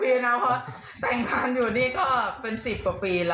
เกิด๑๐ปีครับเพราะแปลงคราชอยู่ดีคือเป็น๑๐กว่าปีค่ะ